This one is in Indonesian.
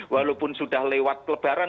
walaupun sudah lewat kelebaran